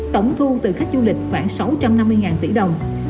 tổng thu từ khách du lịch khoảng sáu trăm năm mươi tỷ đồng